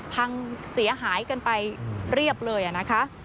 พังเสียหายกันไปเรียบเลยนะคะ